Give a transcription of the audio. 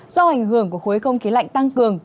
do ảnh hưởng của khối không khí lạnh tăng cường